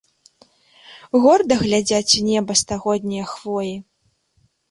Горда глядзяць у неба стагоднія хвоі.